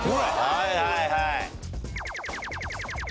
はいはいはい。